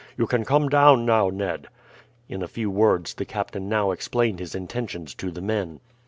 You can come down now, Ned." In a few words the captain now explained his intentions to his men.